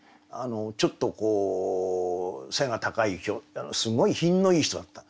ちょっと背が高いすごい品のいい人だった。